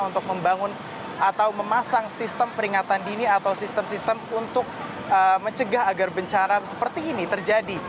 untuk membangun atau memasang sistem peringatan dini atau sistem sistem untuk mencegah agar bencana seperti ini terjadi